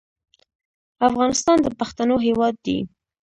افغانستان د پښتنو هېواد دی.